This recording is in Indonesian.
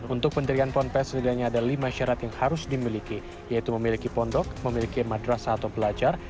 untuk pendirian ponpes setidaknya ada lima syarat yang harus dimiliki yaitu memiliki pondok memiliki madrasah atau belajar